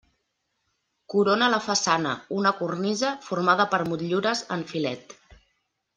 Corona la façana una cornisa formada per motllures en filet.